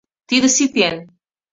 Тиде ситен.